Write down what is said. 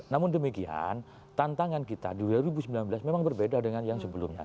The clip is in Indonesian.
namun demikian tantangan kita di dua ribu sembilan belas memang berbeda dengan yang sebelumnya